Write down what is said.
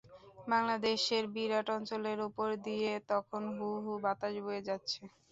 বাংলাদেশের বিরাট অঞ্চলের ওপর দিয়ে তখন হু হু বাতাস বয়ে যাচ্ছে।